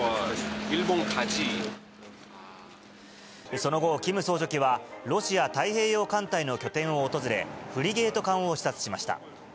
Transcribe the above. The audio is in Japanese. その後、キム総書記はロシア太平洋艦隊の拠点を訪れ、フリゲート艦を視察しました。